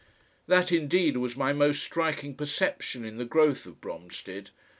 That indeed was my most striking perception in the growth of Bromstead.